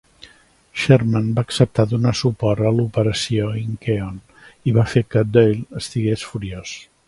Sherman va acceptar donar suport a l'operació Incheon i va fer que Doyle estigués furiós.